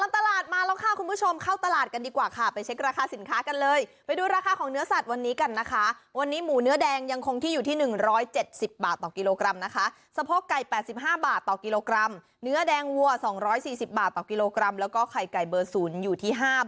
ตลาดมาแล้วค่ะคุณผู้ชมเข้าตลาดกันดีกว่าค่ะไปเช็คราคาสินค้ากันเลยไปดูราคาของเนื้อสัตว์วันนี้กันนะคะวันนี้หมูเนื้อแดงยังคงที่อยู่ที่๑๗๐บาทต่อกิโลกรัมนะคะสะโพกไก่๘๕บาทต่อกิโลกรัมเนื้อแดงวัว๒๔๐บาทต่อกิโลกรัมแล้วก็ไข่ไก่เบอร์๐อยู่ที่๕บาท